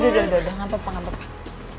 yaudah yaudah ngantuk pak